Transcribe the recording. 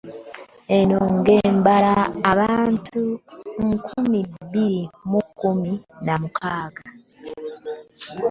Eno ng'ebala abantu mu nkumi bbiri mu kkumi na mukaaga